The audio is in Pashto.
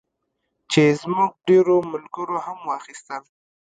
چې زموږ ډېرو ملګرو هم واخیستل.